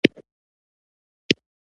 پخوا مو په پنځه افغانیو یو کیلو وریجې اخیستلې